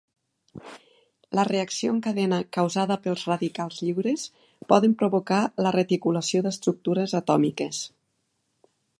La reacció en cadena causada pels radicals lliures poden provocar la reticulació d'estructures atòmiques.